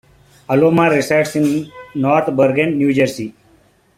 Alomar resides in North Bergen, New Jersey.